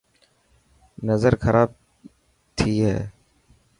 نظر خراب شي هي.